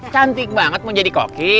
cantik banget mau jadi koki